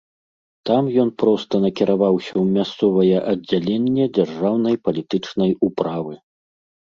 Там ён проста накіраваўся ў мясцовае аддзяленне дзяржаўнай палітычнай управы.